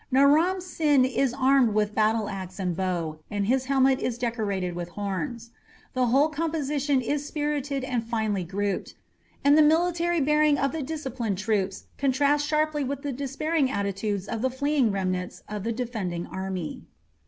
Naram Sin is armed with battleaxe and bow, and his helmet is decorated with horns. The whole composition is spirited and finely grouped; and the military bearing of the disciplined troops contrasts sharply with the despairing attitudes of the fleeing remnants of the defending army.